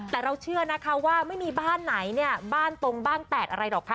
แต่เราเชื่อนะคะว่าไม่มีบ้านไหนเนี่ยบ้านตรงบ้านแตกอะไรหรอกค่ะ